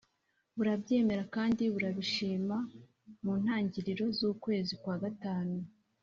burabyemera kandi burabishima. Mu ntangiriro z'ukwezi kwa gatanu